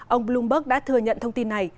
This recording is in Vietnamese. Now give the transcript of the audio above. ông bloomberg đã thừa nhận thông tin này